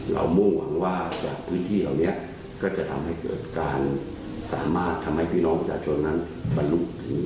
มุ่งหวังว่าจากพื้นที่เหล่านี้ก็จะทำให้เกิดการสามารถทำให้พี่น้องประชาชนนั้นบรรลุถึง